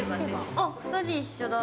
あっ、２人一緒だ。